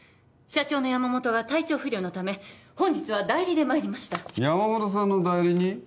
社長の山本が体調不良のため本日は代理でまいりました山本さんの代理人？